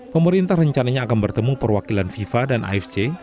pemerintah rencananya akan bertemu perwakilan fifa dan afc